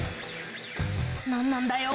何なんだよ